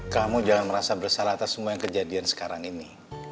kamu jangan merasa bersalah atas semua yang kejadian sekarang ini